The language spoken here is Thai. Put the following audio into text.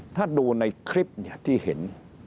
ถ้าดูในคลิปเนี่ยที่เห็น